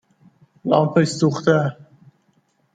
لامپش سوخته